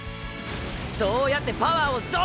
そうやってパワーを増幅！！